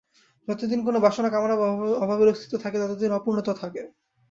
যতদিন কোন বাসনা কামনা বা অভাবের অস্তিত্ব থাকে, ততদিন অপূর্ণতাও থাকে।